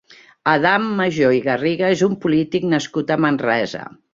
Adam Majó i Garriga és un polític nascut a Manresa.